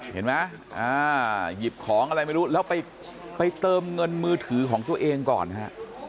เห็นไหมหยิบของอะไรไม่รู้แล้วไปเติมเงินมือถือของตัวเองก่อนฮะ